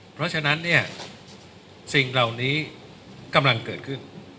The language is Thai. เพราะฉะนั้นเนี่ยสิ่งเหล่านี้กำลังเกิดขึ้น